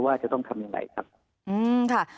ว่าจะต้องทำอย่างไรครับ